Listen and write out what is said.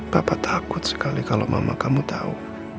bapak takut sekali kalau mama kamu tahu